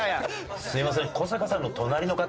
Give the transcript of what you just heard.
すいません。